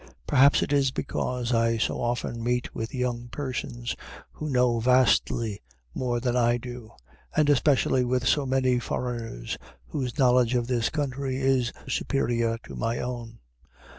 Perhaps it is because I so often meet with young persons who know vastly more than I do, and especially with so many foreigners whose knowledge of this country is superior to my own.